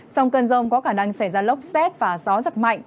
trong cơn rông có khả năng xảy ra lốc xét và gió giật mạnh